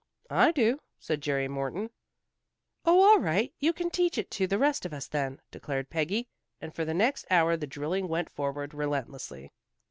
'" "I do," said Jerry Morton. "Oh, all right. You can teach it to the rest of us, then," declared Peggy, and for the next hour the drilling went forward relentlessly.